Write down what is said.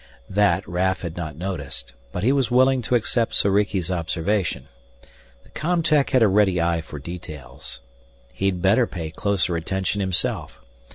That Raf had not noticed, but he was willing to accept Soriki's observation. The com tech had a ready eye for details. He'd better pay closer attention himself.